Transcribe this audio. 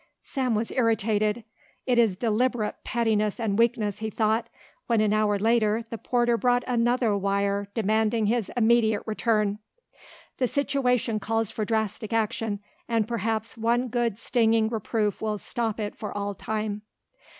Sam was irritated. "It is deliberate pettiness and weakness," he thought, when an hour later the porter brought another wire demanding his immediate return. "The situation calls for drastic action and perhaps one good stinging reproof will stop it for all time."